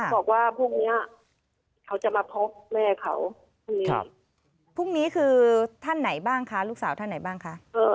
บอกว่าพรุ่งนี้เขาจะมาพบแม่เขาคือพรุ่งนี้คือท่านไหนบ้างคะลูกสาวท่านไหนบ้างคะ